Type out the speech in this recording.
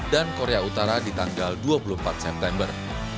dan korea utara di tanggal dua puluh empat september